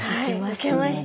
受けました。